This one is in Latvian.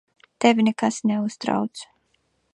Tevi nekas neuztrauc.